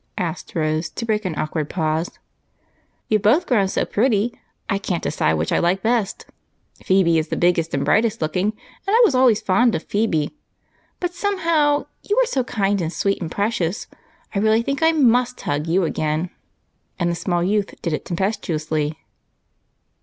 asked Rose, to break an awkward pause. "You've both grown so pretty, I can't decide which I like best. Phebe is the biggest and brightest looking, and I was always fond of Phebe, but somehow you are so kind of sweet and precious, I really think I must hug you again," and the small youth did it tempestuously.